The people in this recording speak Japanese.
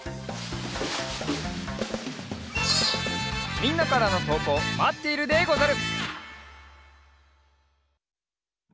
みんなからのとうこうまっているでござる！